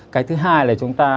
cái thứ hai là chúng ta